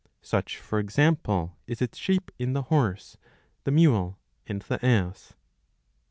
Such for example is its shape in the horse, the mule, and the ass.